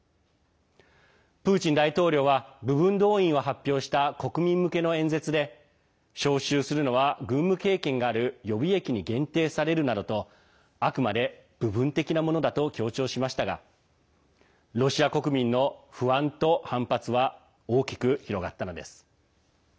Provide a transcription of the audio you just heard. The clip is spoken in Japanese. プーチン大統領は部分動員を発表した国民向けの演説で招集するのは軍務経験がある予備役に限定されるなどとあくまで部分的なものだと強調しましたがロシア国民の不安と反発は大きく広がったのです。